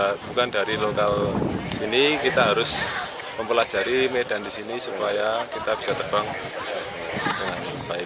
ya bukan dari lokal sini kita harus mempelajari medan di sini supaya kita bisa terbang dengan baik